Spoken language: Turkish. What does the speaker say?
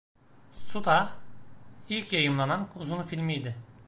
Suddha ilk yayımlanan uzun filmiydi.